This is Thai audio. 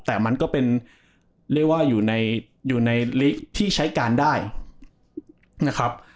แต่มันก็เป็นเรียกว่าอยู่ในลิกที่ใช้การได้นะครับ